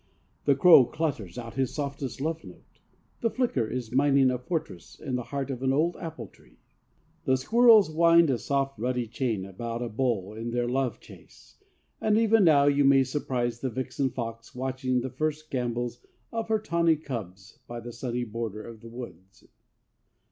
The crow clutters out his softest love note. The flicker is mining a fortress in the heart of an old apple tree. The squirrels wind a swift ruddy chain about a boll in their love chase, and even now you may surprise the vixen fox watching the first gambols of her tawny cubs by the sunny border of the woods.